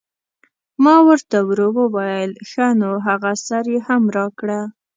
ما ور ته ورو وویل: ښه نو هغه سر یې هم راکړه.